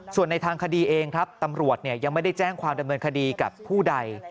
ส่วนในทางคดีเองครับตำรวจยังไม่ได้แจ้งความดำเนินคดีกับผู้ใด